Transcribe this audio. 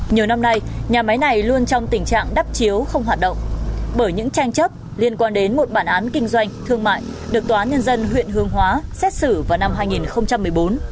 nhiều năm nay nhà máy này luôn trong tình trạng đắp chiếu không hoạt động bởi những tranh chấp liên quan đến một bản án kinh doanh thương mại được tòa nhân dân huyện hương hóa xét xử vào năm hai nghìn một mươi bốn